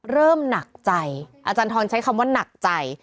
เริ่มหนักใจอาจารย์ทรใช้คำว่าหนักใจ